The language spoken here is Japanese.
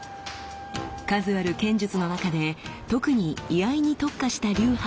数ある剣術の中で特に居合に特化した流派を受け継いでいます。